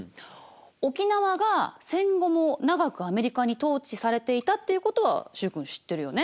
沖縄が戦後も長くアメリカに統治されていたっていうことは習君知ってるよね？